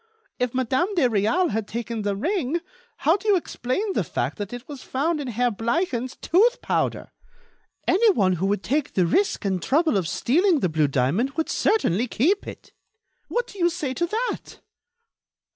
If Madame de Réal had taken the ring, how do you explain the fact that it was found in Herr Bleichen's tooth powder? Anyone who would take the risk and trouble of stealing the blue diamond would certainly keep it. What do you say to that?"